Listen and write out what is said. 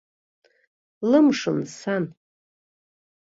Лымшын сан.